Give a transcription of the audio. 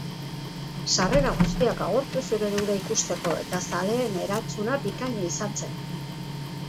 Sarrera guztiak agortu ziren hura ikusteko eta zaleen erantzuna bikaina izan zen.